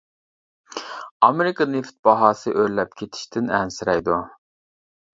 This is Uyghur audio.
ئامېرىكا نېفىت باھاسى ئۆرلەپ كېتىشتىن ئەنسىرەيدۇ.